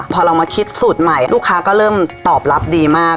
พอเรามาคิดสูตรใหม่ลูกค้าก็เริ่มตอบรับดีมาก